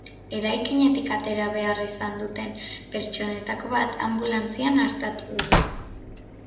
Eraikinetik atera behar izan duten pertsonetako bat anbulantzian artatu dute.